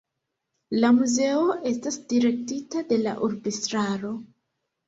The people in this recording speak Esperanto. La muzeo estas direktita de la urbestraro.